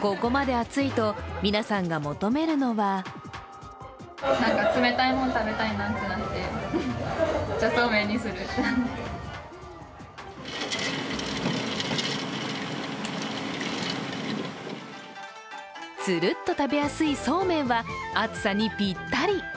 ここまで暑いと、皆さんが求めるのはつるっと食べやすいそうめんは暑さにぴったり。